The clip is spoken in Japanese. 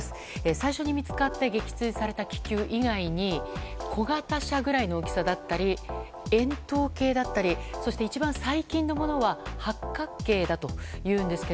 最初に見つかった撃墜された気球以外に小型車ぐらいの大きさだったり円筒形だったりそして、一番最近のものは八角形だというんですが。